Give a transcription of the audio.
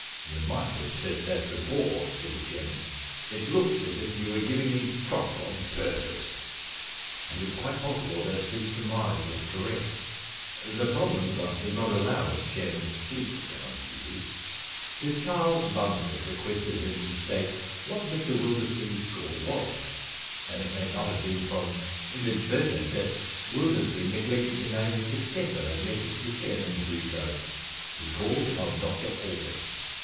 * You might have said that before,' said the chairman. * It looks as if you were giving me trouble on purpose.' And it is quite possible that his surmise was correct. The Problem Club does not allow its chairman to sleep when on duty. Sir Charles Bunford requested him to state what 208 The Q Loan Problem Mr Wildersley's score was ; and it may not have been from inadvertence that Wildersley neglected to name his successor and left it to the chairman to do so. He called upon Dr Alden.